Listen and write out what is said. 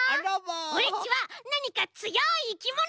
オレっちはなにかつよいいきもの！